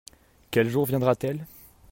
Quel jour viendra-t-elle ?